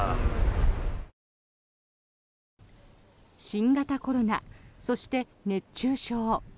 新型コロナそして、熱中症。